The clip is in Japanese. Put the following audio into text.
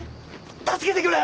助けてくれ！